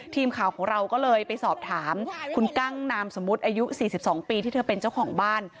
ทีมข่าวของเราก็เลยไปสอบถามคุณกั้งนามสมมุติอายุ๔๒ปีที่เธอเป็นเจ้าของบ้าน